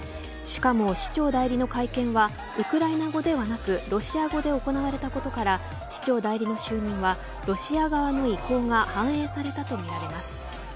しかも、市長代理の会見はウクライナ語ではなくロシア語で行われたことから市長代理の就任はロシア側の意向が反映されたとみられます。